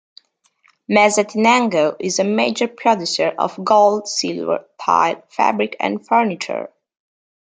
Mazatenango is a major producer of gold, silver, tile, fabric, and furniture.